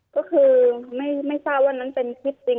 ก็คือไม่ทราบว่านั้นเป็นคลิปจริง